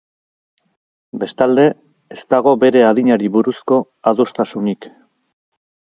Bestalde, ez dago bere adinari buruzko adostasunik.